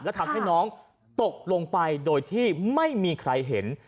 และทำให้น้องตกลงไปโดยที่ไม่มีใครเห็น